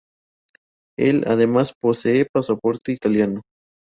Él además posee pasaporte italiano.